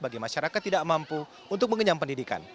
bagi masyarakat tidak mampu untuk mengenyam pendidikan